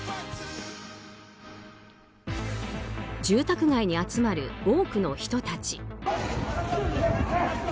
住宅街に集まる多くの人たち。